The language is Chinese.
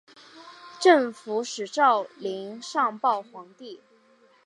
镇抚使赵霖上报皇帝。